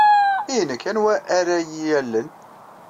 I nekk, anwa ara iyi-yallen?